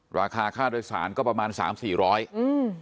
ราคาค่าโดยสารก็ประมาณสามสี่ร้อยอืม